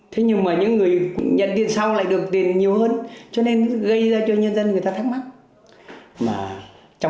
thế nhưng mà những người nhận tiền sau lại được tiền nhiều hơn cho nên gây ra cho nhân dân người ta thắc mắc